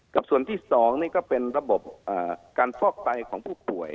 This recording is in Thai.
กับส่วนที่๒นี่ก็เป็นระบบการฟอกไตของผู้ป่วย